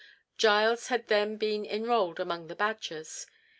Giles had then been enrolled among the Badgers.